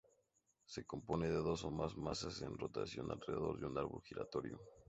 Se compone de dos o más masas en rotación alrededor de un árbol giratorio.